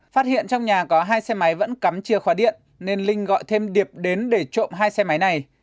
phát hiện trong nhà có hai xe máy vẫn cắm chìa khóa điện nên linh gọi thêm điệp đến để trộm hai xe máy này